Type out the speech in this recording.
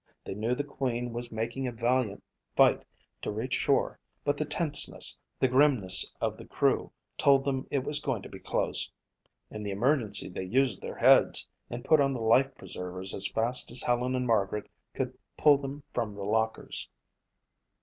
They knew the Queen was making a valiant fight to reach shore but the tenseness, the grimness of the crew told them it was going to be close. In the emergency they used their heads and put on the life preservers as fast as Helen and Margaret could pull them from the lockers.